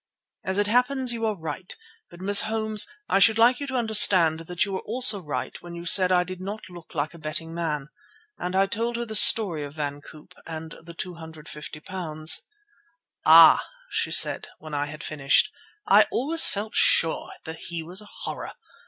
"As it happens, you are right. But, Miss Holmes, I should like you to understand that you were also right when you said I did not look like a betting man." And I told her some of the story of Van Koop and the £250. "Ah!" she said, when I had finished, "I always felt sure he was a horror.